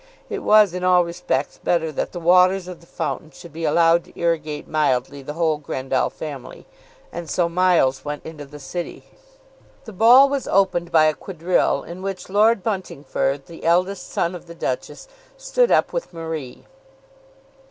It was in all respects better that the waters of the fountain should be allowed to irrigate mildly the whole Grendall family; and so Miles went into the city. The ball was opened by a quadrille in which Lord Buntingford, the eldest son of the Duchess, stood up with Marie.